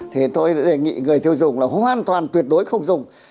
thì tôi đề nghị người tiêu dùng là hoàn toàn tuyệt đối không dùng